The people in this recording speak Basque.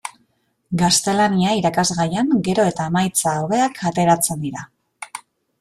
Gaztelania irakasgaian gero eta emaitza hobeak ateratzen dira.